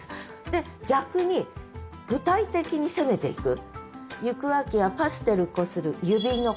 で逆に具体的に攻めていく「行く秋やパステル擦る指の腹」。